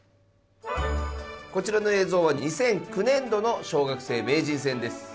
こちらの映像は２００９年度の小学生名人戦です。